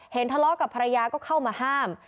ทะเลาะกับภรรยาก็เข้ามาห้าม